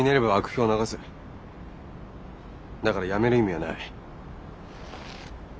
だからやめる意味はない。